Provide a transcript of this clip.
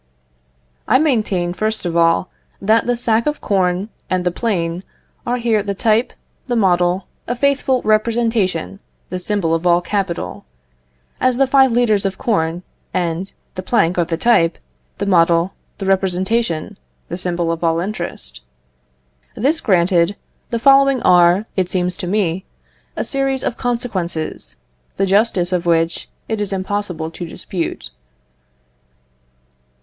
I maintain, first of all, that the sack of corn and the plane are here the type, the model, a faithful representation, the symbol of all capital; as the five litres of corn and the plank are the type, the model, the representation, the symbol of all interest. This granted, the following are, it seems to me, a series of consequences, the justice of which it is impossible to dispute.